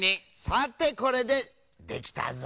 さてこれでできたぞ。